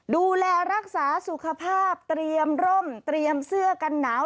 ดูแลรักษาสุขภาพเตรียมร่มเตรียมเสื้อกันหนาว